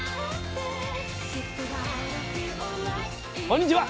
こんにちは。